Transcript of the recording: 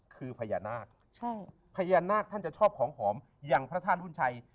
คือพญานาคพญานาคท่านจะชอบของหอมอย่างพระธาตุรุ่นชัย